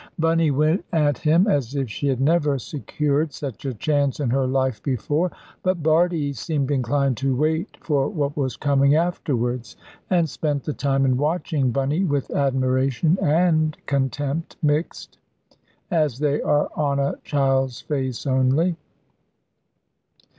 Bunny went at him as if she had never secured such a chance in her life before, but Bardie seemed inclined to wait for what was coming afterwards, and spent the time in watching Bunny with admiration and contempt mixed, as they are on a child's face only.